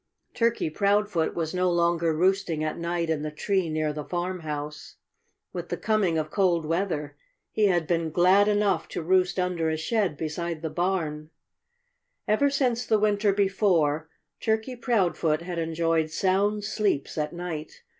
Turkey Proudfoot was no longer roosting at night in the tree near the farmhouse. With the coming of cold weather he had been glad enough to roost under a shed beside the barn. Ever since the winter before, Turkey Proudfoot had enjoyed sound sleeps at night.